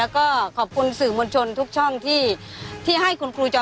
ขอบคุณครู